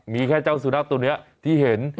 มีแค่เจ้าสุนัขตัวนี้ที่เห็น